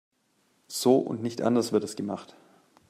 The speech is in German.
So und nicht anders wird es gemacht.